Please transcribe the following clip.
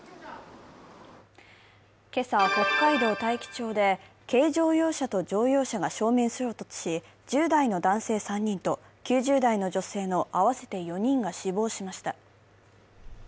今朝、北海道大樹町で軽乗用車と乗用車が正面衝突し、１０代の男性３人と９０代の女性の合わせて４人が死亡しました。